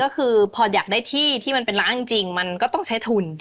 ก็คือพออยากได้ที่ที่มันเป็นล้านจริงมันก็ต้องใช้ทุน